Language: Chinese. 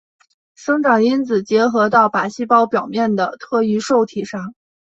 生长因子结合到靶细胞表面的特异受体上。